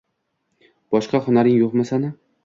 Boshqa xunaring yoʻqmi sani?